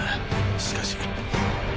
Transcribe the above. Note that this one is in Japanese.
しかし。